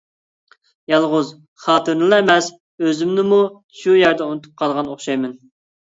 يالغۇز خاتىرىنىلا ئەمەس، ئۆزۈمنىمۇ شۇ يەردە ئۇنتۇپ قالغان ئوخشايمەن.